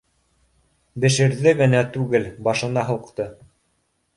Бешерҙе генә түгел, башына һуҡты